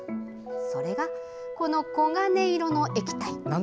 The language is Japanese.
それが、この黄金色の液体。